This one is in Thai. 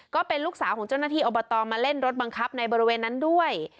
ก็เป็นลูกสาวของเจ้าหน้าที่อบตมาเล่นรถบังคับในบริเวณนั้นด้วย